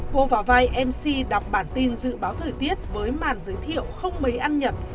cô và vai mc đọc bản tin dự báo thời tiết với màn giới thiệu không mấy ăn nhập